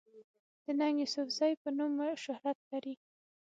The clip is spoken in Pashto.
د “ ننګ يوسفزۍ” پۀ نوم شهرت لري